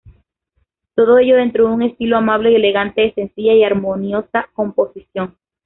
Todo ello dentro de un estilo amable y elegante, de sencilla y armoniosa composición.